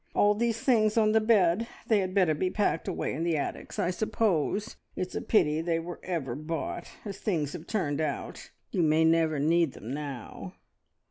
All these things on the bed they had better be packed away in the attics, I suppose. It's a pity they were ever bought, as things have turned out. You may never need them now."